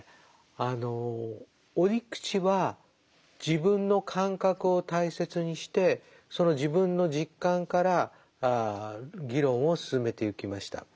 あの折口は自分の感覚を大切にしてその自分の実感から議論を進めてゆきました。